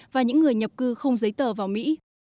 và những người nhập cư không giấy tờ vào mỹ